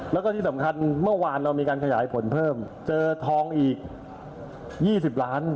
แล้วก็ที่สำคัญเมื่อวานเรามีการขยายผลเพิ่มเจอทองอีก๒๐ล้าน